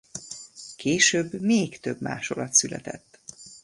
Később még több másolat született.